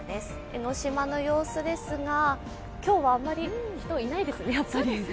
江の島の様子ですが、今日はあまり人、いないですね、やっぱり。